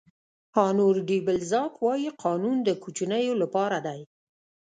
هونور ډي بلزاک وایي قانون د کوچنیو لپاره دی.